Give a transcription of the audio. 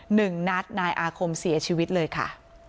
หนึ่งนัดนายอาคมเสียชีวิตเลยค่ะ